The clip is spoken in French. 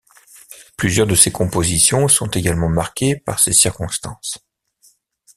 Plusieurs de ses compositions sont également marquées par ces circonstances.